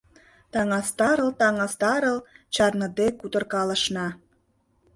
Таҥастарыл-таҥастарыл, чарныде кутыркалышна.